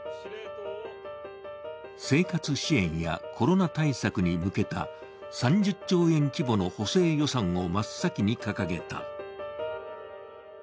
生活支援やコロナ対策に向けた３０兆円規模の補正予算を真っ先に掲げた。